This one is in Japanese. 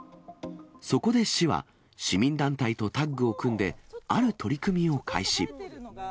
そこで市は、市民団体とタッグを組んで、ある取り組みを開始。